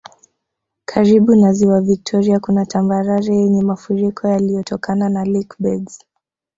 Karibu na Ziwa Viktoria kuna tambarare yenye mafuriko yaliyotokana na lakebeds